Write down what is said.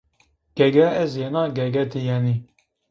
Ge-ge ez yena ge-ge ti yenî